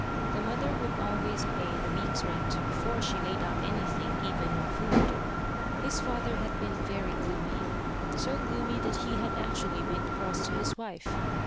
The mother would always pay the week's rent before she laid out anything even on food. His father had been very gloomy so gloomy that he had actually been cross to his wife.